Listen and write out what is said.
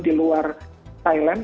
di luar thailand